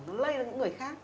nó lấy ra những người khác